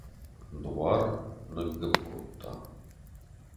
Дуар ныггуыпп кодта.